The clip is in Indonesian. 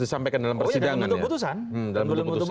disampaikan dalam persidangan putusan